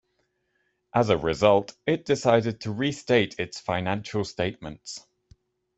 As a result, it decided to restate its financial statements.